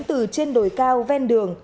từ trên đồi cao ven đường